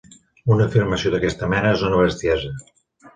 Una afirmació d'aquesta mena és una bestiesa.